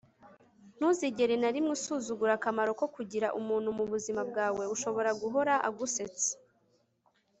ntuzigere na rimwe usuzugura akamaro ko kugira umuntu mu buzima bwawe ushobora guhora agusetsa